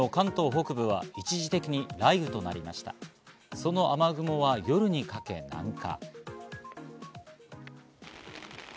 その雨雲は夜にかけ南下。